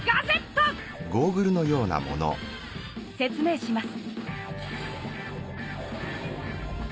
説明します。